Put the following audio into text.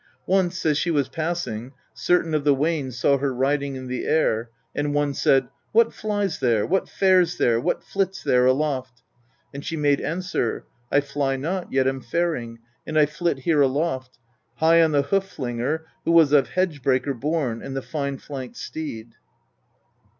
Once as she was passing, certain of the Wanes saw her riding in the air, and one said :' What flies there, what fares there, what flits there aloft ?' And she made answer :' I fly not, yet am faring, and I flit here aloft, high on the Hoof flinger, who was of Hedge breaker born, and the Fine flanked steed.'